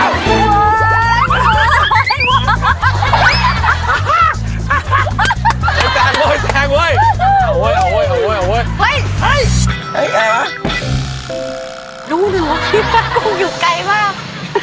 ดูหนูเลยว่าพลาดกุ่งอยู่ไกลมาก